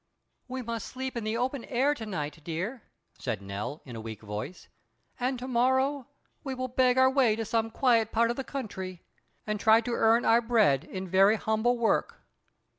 * "We must sleep in the open air to night, dear," said Nell, in a weak voice, "and to morrow we will beg our way to some quiet part of the country and try to earn our bread in very humble work."